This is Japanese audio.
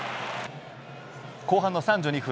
後半の３２分。